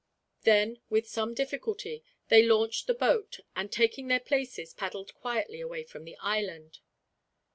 Then with some difficulty they launched the boat and, taking their places, paddled quietly away from the island.